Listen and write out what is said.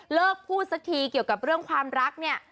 เลิกพูดสักทีเกี่ยวกับเรื่องความรักเนี่ย